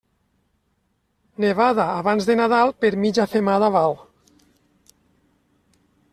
Nevada abans de Nadal, per mitja femada val.